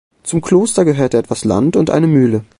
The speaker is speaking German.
Zum Kloster gehörte etwas Land und eine Mühle.